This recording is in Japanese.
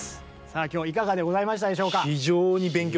今日いかがでございましたでしょうか？